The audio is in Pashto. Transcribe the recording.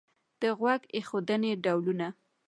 د غوږ ایښودنې ډولونه